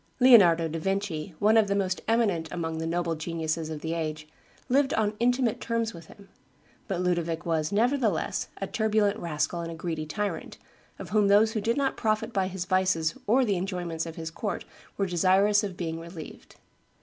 Leonardo da Vinci, one of the most eminent amongst the noble geniuses of the age, lived on intimate terms with him; but Ludovic was, nevertheless, a turbulent rascal and a greedy tyrant, of whom those who did not profit by his vices or the enjoyments of his court were desirous of being relieved.